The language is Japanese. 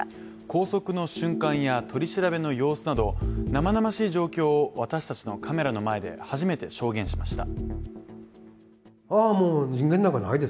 拘束の瞬間や取り調べの様子など生々しい状況を私たちのカメラの前で初めて証言しました。